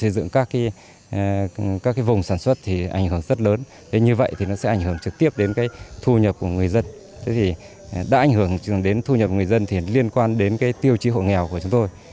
đã ảnh hưởng đến thu nhập người dân thì liên quan đến tiêu chí hộ nghèo của chúng tôi